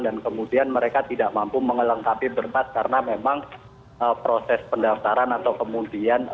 dan kemudian mereka tidak mampu mengelengkapi berpas karena memang proses pendaftaran atau kemudian